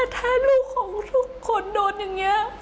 ถ้าลูกของทุกคนโดนอย่างนี้